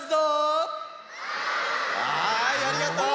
はいありがとう！